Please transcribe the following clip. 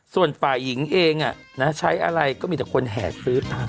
ส่วนฝ่ายหญิงเองน่ะใช้อะไรก็มีแต่คนแห่งซื้อ